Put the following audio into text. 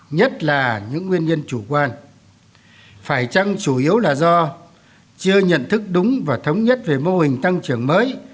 nhất là những nguyên nhân chủ quan phải chăng chủ yếu là do chưa nhận thức đúng và thống nhất về mô hình tăng trưởng mới